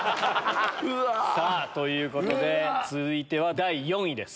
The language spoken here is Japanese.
さぁということで続いては第４位です。